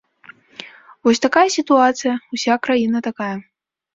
Вось такая сітуацыя, уся краіна такая.